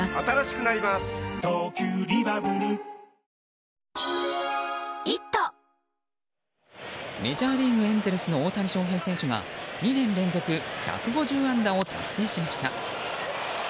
夏が香るアイスティーメジャーリーグエンゼルスの大谷翔平選手が２年連続１５０安打を達成しました。